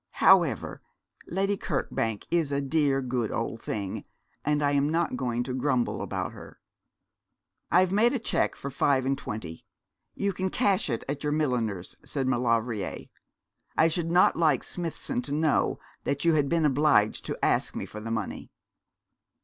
However, Lady Kirkbank is a dear, good old thing, and I am not going to grumble about her.' 'I've made the cheque for five and twenty. You can cash it at your milliner's,' said Maulevrier. 'I should not like Smithson to know that you had been obliged to ask me for the money.'